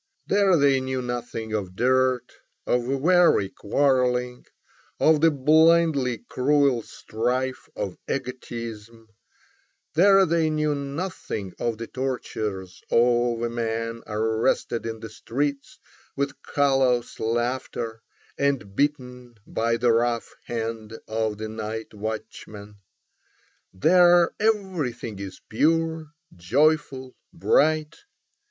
There they knew nothing of dirt, of weary quarrelling, of the blindly cruel strife of egotism, there they knew nothing of the tortures of a man arrested in the streets with callous laughter, and beaten by the rough hand of the night watchman. There everything is pure, joyful, bright.